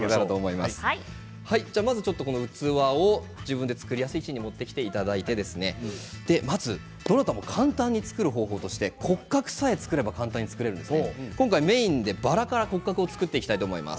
まず器を自分で作りやすい位置に持ってきていただいてまず、どなたも簡単に作る方法として骨格さえ作れば簡単に作ることができます。